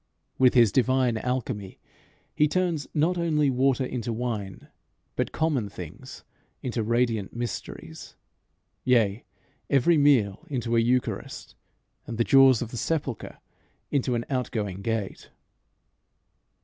With his divine alchemy he turns not only water into wine, but common things into radiant mysteries, yea, every meal into a eucharist, and the jaws of the sepulchre into an outgoing gate.